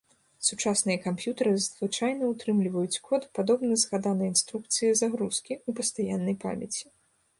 Сучасныя камп'ютары звычайна утрымліваюць код, падобны згаданай інструкцыі загрузкі, ў пастаяннай памяці.